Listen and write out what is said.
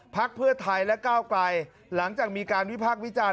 พักเพื่อไทยและก้าวไกลหลังจากมีการวิพากษ์วิจารณ์